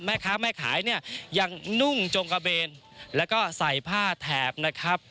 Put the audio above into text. แม่ค้าแม่ขายเนี่ยยังนุ่งจงกระเบนแล้วก็ใส่ผ้าแถบนะครับ